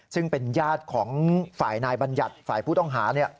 ซึ่งเป็นญาติของฝ่ายนายบัญญัติฝ่ายผู้ต้องหา